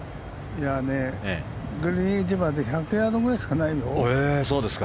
グリーンエッジまで１００ヤードぐらいしかないよ。